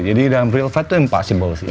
jadi dalam real fight tuh impossible sih